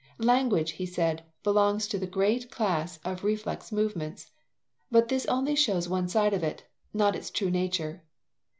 Language, he said, belongs to the great class of reflex movements, but this only shows one side of it, not its true nature.